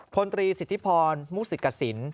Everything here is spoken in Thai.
พนตรีสิทธิพรมุษิกสินค์